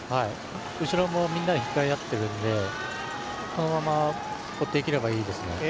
後ろもみんなで引っ張り合っているので、このまま追っていければいいですね。